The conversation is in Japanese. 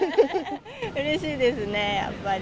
うれしいですね、やっぱり。